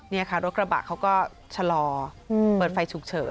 นี่ค่ะรถกระบะเขาก็ชะลอเปิดไฟฉุกเฉิน